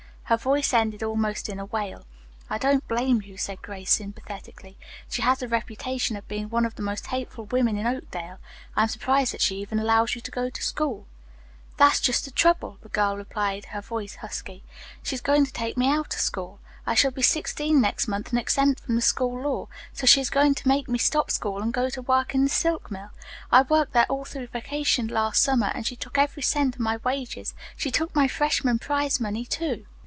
Her voice ended almost in a wail. "I don't blame you," said Grace sympathetically. "She has the reputation of being one of the most hateful women in Oakdale. I am surprised that she even allows you to go to school." "That's just the trouble," the girl replied, her voice husky. "She's going to take me out of school. I shall be sixteen next month, and exempt from the school law. So she is going to make me stop school and go to work in the silk mill. I worked there all through vacation last summer, and she took every cent of my wages. She took my freshman prize money, too."